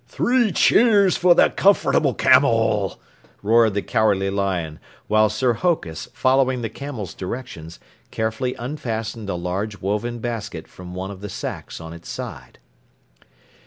"Three cheers for the Comfortable Camel!" roared the Cowardly Lion, while Sir Hokus, following the camel's directions, carefully unfastened a large, woven basket from one of the sacks on its side.